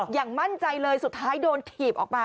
อย่างมั่นใจเลยสุดท้ายโดนถีบออกมา